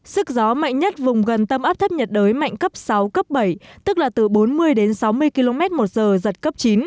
sức gió mạnh nhất vùng gần tâm áp thấp nhiệt đới mạnh cấp sáu cấp bảy tức là từ bốn mươi đến sáu mươi km một giờ giật cấp chín